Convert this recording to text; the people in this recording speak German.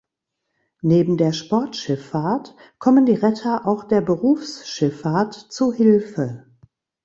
Neben der Sportschifffahrt kommen die Retter auch der Berufsschifffahrt zu Hilfe.